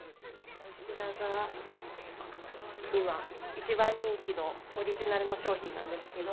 こちらが今一番人気のオリジナルの商品なんですけど。